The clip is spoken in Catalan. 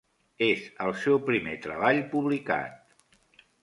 És el seu primer treball publicat.